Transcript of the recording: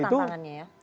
itu tantangannya ya